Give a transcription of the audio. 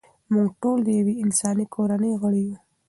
موږ ټول د یوې انساني کورنۍ غړي یو.